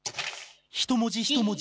一文字一文字